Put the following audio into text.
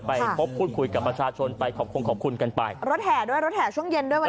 ไปพบพูดคุยกับประชาชนไปขอบคุณขอบคุณกันไปรถแห่ด้วยรถแห่ช่วงเย็นด้วยวัน